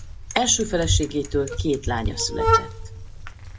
Első feleségétől két lánya született.